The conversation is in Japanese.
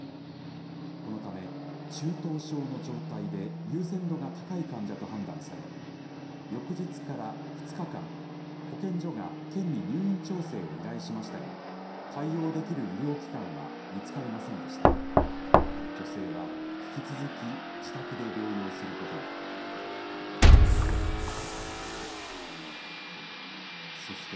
このため、中等症の状態で優先度が高い患者と判断され、翌日から２日間、保健所が県に入院調整を依頼しましたが、対応できる医療機関は見つかりませんでした。